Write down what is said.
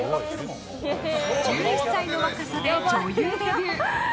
１１歳の若さで女優デビュー。